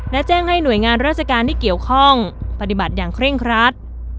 และแจ้งให้หน่วยงานราชการที่เกี่ยวข้องปฏิบัติอย่างเคร่งครัด